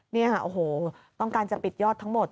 นี่ค่ะโอ้โหต้องการจะปิดยอดทั้งหมด